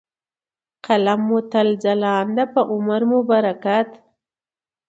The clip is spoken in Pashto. ، قلم مو تل ځلاند په عمر مو برکت .